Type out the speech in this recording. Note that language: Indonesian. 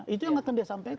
itu yang akan dia sampaikan